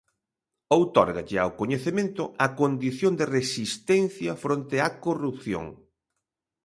Outórgalle ao coñecemento a condición de resistencia fronte á corrupción.